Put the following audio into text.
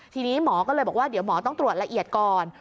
ทีนี้หมอก็เลยบอกว่าเดี๋ยวหมอต้องตรวจละเอียดก่อน